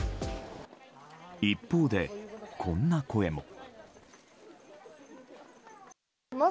一方で、こんな声も。